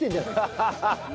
ハハハハ！